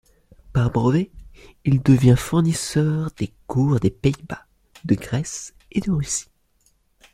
Par brevets, il devient fournisseur des cours des Pays-Bas, de Grèce et de Russie.